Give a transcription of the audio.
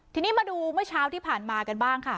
ทีนี้มาดูเมื่อเช้าที่ผ่านมากันบ้างค่ะ